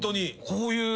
こういう。